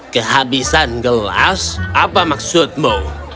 kehabisan gelas apa maksudmu